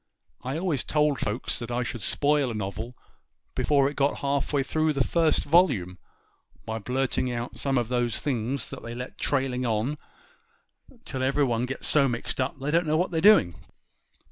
I always told folks that I should spoil a novel before it got half way through the first volume, by blirting out some of those things that they let go trailing on till everybody gets so mixed up they don't know what they're doing.